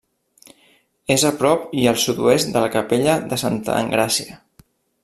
És a prop i al sud-oest de la capella de Santa Engràcia.